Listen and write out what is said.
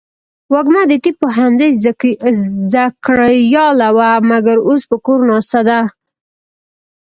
وږمه د طب پوهنځۍ زده کړیاله وه ، مګر اوس په کور ناسته ده.